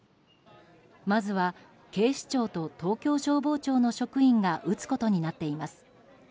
まずは、警視庁と東京消防庁の職員が打つことになっています。